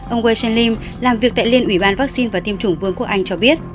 ông waisen lim làm việc tại liên ủy ban vaccine và tiêm chủng vương quốc anh cho biết